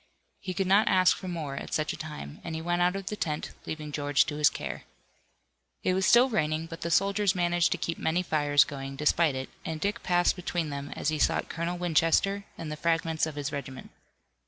He could not ask for more at such a time, and he went out of the tent, leaving George to his care. It was still raining, but the soldiers managed to keep many fires going, despite it, and Dick passed between them as he sought Colonel Winchester, and the fragments of his regiment.